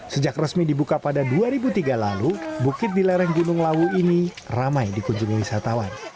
sejak resmi dibuka pada dua ribu tiga lalu bukit di lereng gunung lawu ini ramai dikunjungi wisatawan